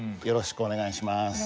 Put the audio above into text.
よろしくお願いします。